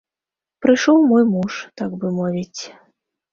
Прыйшоў мой муж, так бы мовіць.